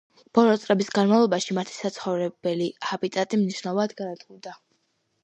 ბოლო წლების განმავლობაში მათი საცხოვრებელი ჰაბიტატი მნიშვნელოვნად განადგურდა.